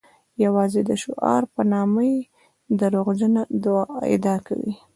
یوازې د شعار په نامه یې دروغجنه ادعا کوي.